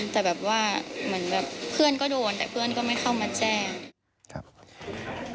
แต่แบบว่าเหมือนแบบเพื่อนก็โดนแต่เพื่อนก็ไม่เข้ามาแจ้ง